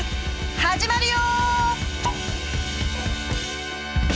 始まるよ！